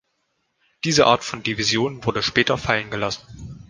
Diese Art von Division wurde später fallengelassen.